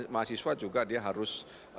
mahasiswa juga dia harus